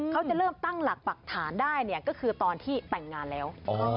เขาจะเริ่มตั้งหลักปักฐานได้เนี่ยก็คือตอนที่แต่งงานแล้ว